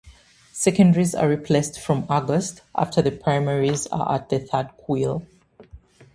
Secondaries are replaced from August after the primaries are at the third quill.